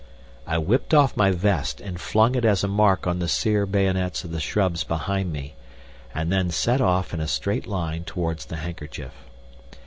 I whipped off my vest and flung it as a mark on the sere bayonets of the shrubs behind me, and then set off in a straight line towards the handkerchief.